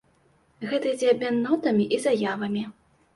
Гэта ідзе абмен нотамі і заявамі.